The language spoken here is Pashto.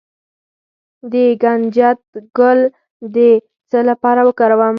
د کنجد ګل د څه لپاره وکاروم؟